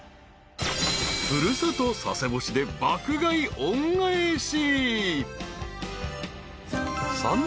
［古里佐世保市で爆買い恩返し］